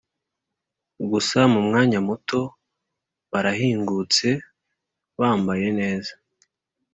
gusa mu mwanya muto barahingutse bambaye neza